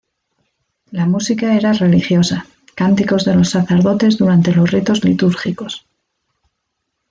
La música era religiosa, cánticos de los sacerdotes durante los ritos litúrgicos.